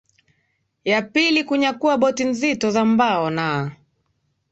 ya pili kunyakua boti nzito za mbao na